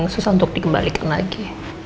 susah untuk dikembalikan lagi